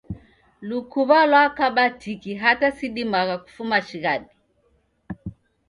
Lukuw'a lwakaba tiki hata sidimagha kufuma shighadi